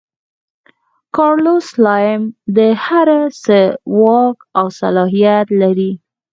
کارلوس سلایم د هر څه واک او صلاحیت لري.